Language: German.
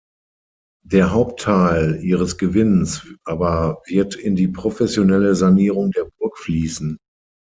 Der Hauptteil ihres Gewinns aber wird in die professionelle Sanierung der Burg fließen.